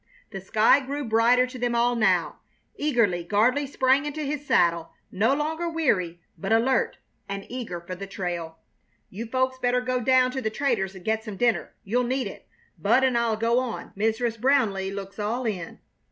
The sky grew brighter to them all now. Eagerly Gardley sprang into his saddle, no longer weary, but alert and eager for the trail. "You folks better go down to the trader's and get some dinner. You'll need it! Bud and I'll go on. Mrs. Brownleigh looks all in."